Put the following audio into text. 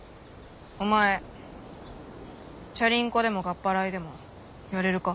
お前チャリンコでもかっぱらいでもやれるか？